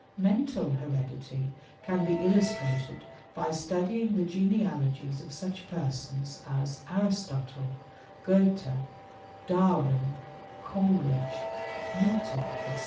"Mental heredity can be illustrated by studying the genealogies of such persons as Aristotle, Goethe, Darwin, Coleridge, Milton, etc.